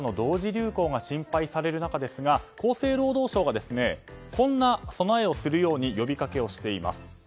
流行が心配される中ですが厚生労働省がこんな備えをするように呼びかけをしています。